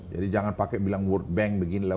jadi jangan pakai bilang world bank beginilah